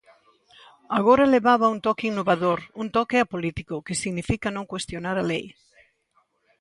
Agora levaba un toque innovador, un toque apolítico, que significa non cuestionar a lei.